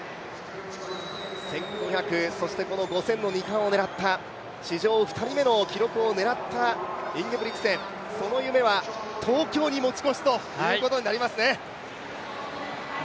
１５００、そしてこの５０００の２冠を狙った史上２人目の記録を狙ったインゲブリクセン、その夢は東京に持ち越すということになりますね。